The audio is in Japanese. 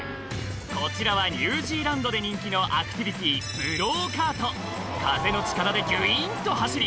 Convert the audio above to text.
こちらはニュージーランドで人気のアクティビティー風の力でギュインと走り